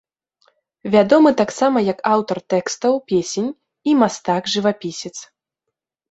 Вядомы таксама як аўтар тэкстаў песень і мастак-жывапісец.